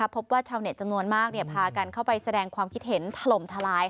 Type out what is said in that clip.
พบว่าชาวเน็ตจำนวนมากพากันเข้าไปแสดงความคิดเห็นถล่มทลาย